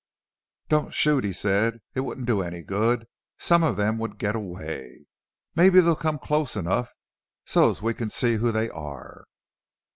"Don't shoot!" he said. "It wouldn't do any good; some of them would get away. Mebbe they'll come close enough so's we can see who they are!"